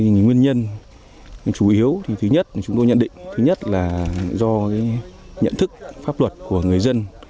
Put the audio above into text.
nguyên nhân chủ yếu thứ nhất là do nhận thức pháp luật của người dân